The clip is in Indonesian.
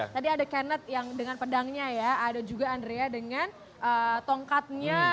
tadi ada kennet yang dengan pedangnya ya ada juga andrea dengan tongkatnya